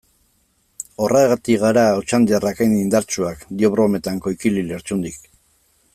Horregatik gara otxandiarrak hain indartsuak, dio brometan Koikili Lertxundik.